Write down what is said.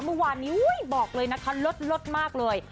เมื่อวานนี้บอกเลยนะคะลดมากเลย